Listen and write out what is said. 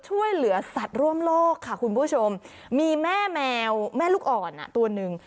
ช่วยเหลือสัดร่วมโลกค่ะคุณผู้ชมมีแม่ลูกอ่อนตัวหนึ่ง